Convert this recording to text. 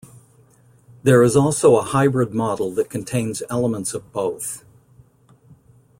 There is also a hybrid model that contains elements of both.